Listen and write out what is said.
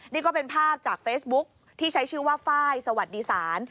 นี่ก็เป็นภาพจากเฟซบุ๊คที่ใช้ชื่อว่าไฟล์สวัสดีศาล